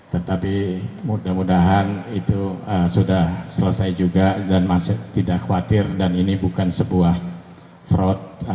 tetapi mudah mudahan itu sudah selesai juga dan masih tidak khawatir dan ini bukan sebuah fraud